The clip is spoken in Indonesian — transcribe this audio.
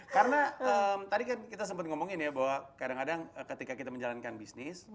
karena tadi kan kita sempet ngomongin ya bahwa kadang kadang ketika kita menjalankan bisnis